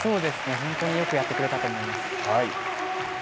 本当によくやってくれたと思います。